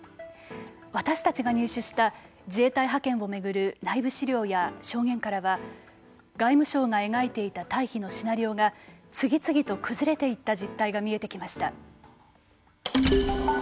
私たちが入手した自衛隊派遣を巡る内部資料や証言からは外務省が描いていた退避のシナリオが次々と崩れていった実態が見えてきました。